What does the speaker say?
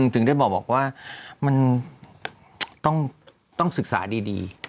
ถึงได้บอกว่ามันต้องศึกษาดี